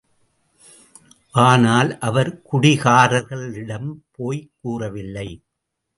ஆனால், அவர் குடிகாரர்களிடம் போய்க் கூறவில்லை.